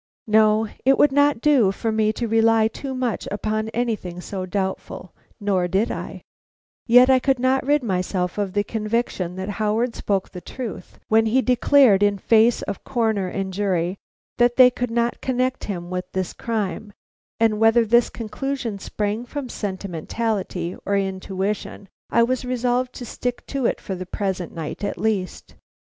No, it would not do for me to rely too much upon anything so doubtful, nor did I; yet I could not rid myself of the conviction that Howard spoke the truth when he declared in face of Coroner and jury that they could not connect him with this crime; and whether this conclusion sprang from sentimentality or intuition, I was resolved to stick to it for the present night at least.